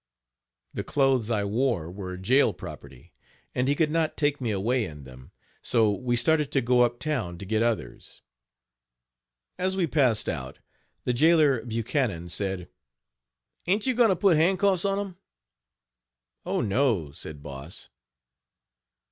The clothes I wore were jail property, and he could not take me away in them; so we started to go up town to get others. As we passed out the jailor, Buckhanon, said: "Ain't you going to put hand cuffs on him?" "Oh, no!" said Boss.